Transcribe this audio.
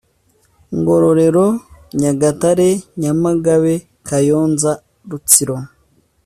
Ngororero nyagatare nyamagabe kayonza rutsiro